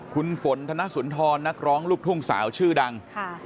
คุณฝนธนสุนทรนักร้องลูกทุ่งสาวชื่อดัง